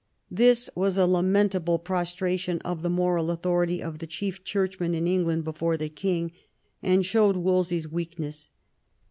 This was a lamentable prostration of the moral authority of the chief churchman in England before the king, and showed Wolsey's weak ness.